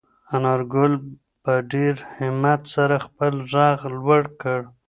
انارګل په ډېر همت سره خپل غږ لوړ کړ.